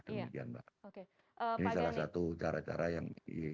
ini salah satu cara cara yang